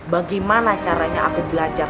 bagaimana caranya aku belajar